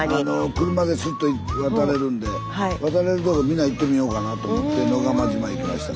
車ですっと渡れるんで渡れるとこ皆行ってみようかなと思って野釜島行きました。